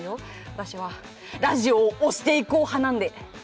私はラジオ推していく派なので。